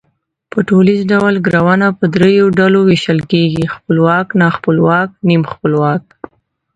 په ټوليز ډول گړونه په درې ډلو وېشل کېږي، خپلواک، ناخپلواک، نیم خپلواک